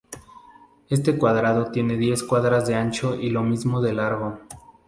Este cuadrado tiene diez cuadras de ancho y lo mismo de largo.